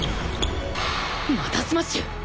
またスマッシュ！？